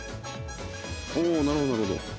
おおなるほどなるほど。